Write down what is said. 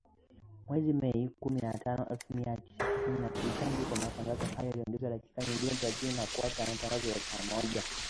Mwezi Mei, kumi na tano elfu mia tisa sitini na sita, ndipo matangazo hayo yaliongezewa dakika nyingine thelathini na kuwa matangazo ya saa moja.